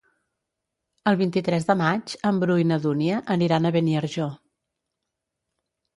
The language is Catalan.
El vint-i-tres de maig en Bru i na Dúnia aniran a Beniarjó.